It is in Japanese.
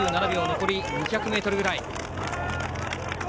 残り２００ｍくらい。